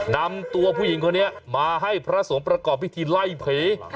นำตัวผู้หญิงคนนี้มาให้พระสงฆ์ประกอบพิธีไล่ผี